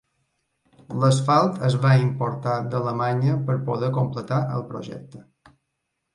L"asfalt es va importar d"Alemanya per poder completar el projecte.